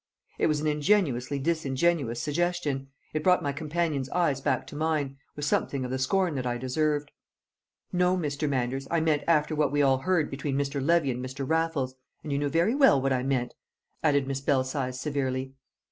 It was an ingenuously disingenuous suggestion; it brought my companion's eyes back to mine, with something of the scorn that I deserved. "No, Mr. Manders, I meant after what we all heard between Mr. Levy and Mr. Raffles; and you knew very well what I meant," added Miss Belsize severely.